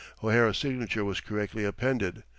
O'Hara's signature was correctly appended.